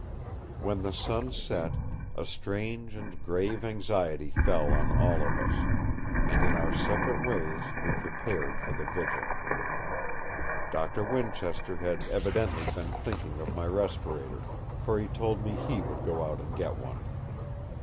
When the sun set, a strange and grave anxiety fell on all of us; and in our separate ways we prepared for the vigil. Doctor Winchester had evidently been thinking of my respirator, for he told me he would go out and get one.